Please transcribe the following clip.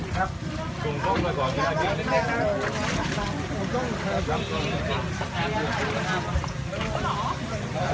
ทุกวันนี้สกชื่อชมประธานาภิกษาสวัสดีครับ